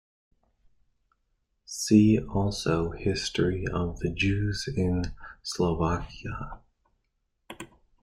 See also History of the Jews in Slovakia.